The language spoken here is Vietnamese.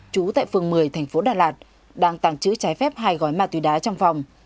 trú tại phường một mươi thành phố đà lạt đang tàng trữ trái phép hai gói ma túy đá trong phòng